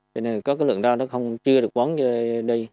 cho nên có cái lượng rau nó chưa được bóng đi